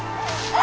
あ！